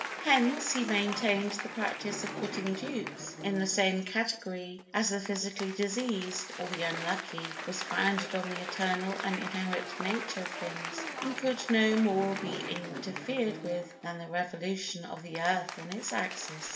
Hence, he maintained, the practice of putting dupes in the same category as the physically diseased or the unlucky was founded on the eternal and inherent nature of things, and could no more be interfered with than the revolution of the earth on its axis.